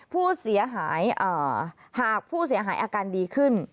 ผู้เสียหายหากผู้เสียหายอาการดีขึ้น